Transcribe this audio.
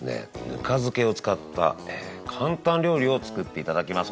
ぬか漬けを使った簡単料理を作っていただきます。